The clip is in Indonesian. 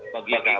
bagi agak ramah